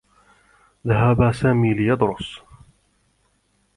ذهب سامي ليدرس.